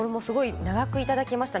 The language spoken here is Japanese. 長くいただきました。